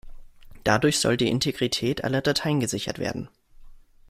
Dadurch soll die Integrität aller Dateien gesichert werden.